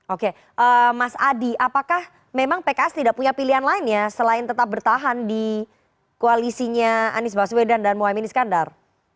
oke mas adi apakah memang pks tidak punya pilihan lain ya selain tetap bertahan di koalisinya anies baswedan dan muhaymin iskandar